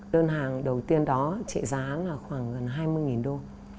đơn hàng đầu tiên đó trị giá là khoảng gần hai mươi đô